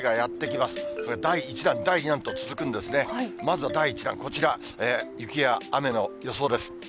まずは第１弾、こちら、雪や雨の予想です。